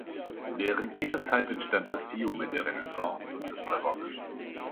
Während dieser Zeit entstand das Fiume der Renaissance und des Barock.